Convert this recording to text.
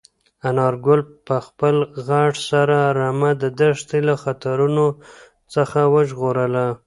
انارګل په خپل غږ سره رمه د دښتې له خطرونو څخه وژغورله.